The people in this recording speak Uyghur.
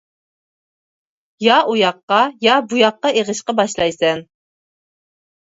يا ئۇياققا، يا بۇياققا ئېغىشقا باشلايسەن.